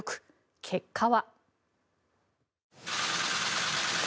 結果は。